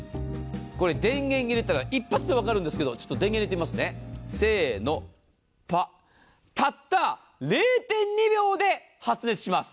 電源入れたら一発で分かるんですけど、電源入れてみますね、せーの、たった０．２秒で発熱します。